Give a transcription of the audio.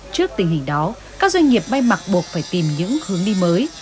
trước tình hình đó các doanh nghiệp bay mặt buộc phải tìm những hướng đi mới